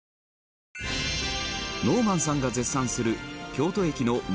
ノーマンさんが絶賛する京都駅の胸